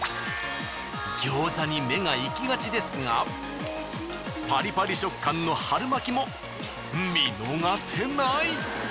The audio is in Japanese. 餃子に目がいきがちですがパリパリ食感の春巻も見逃せない！